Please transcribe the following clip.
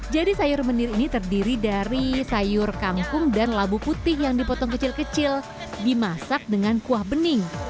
jadi sayur menir ini terdiri dari sayur kangkung dan labu putih yang dipotong kecil kecil dimasak dengan kuah bening